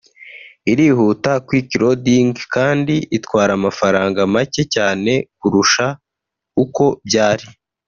Irihuta (quick loading) kandi itwara amafaranga make cyane kurusha uko byari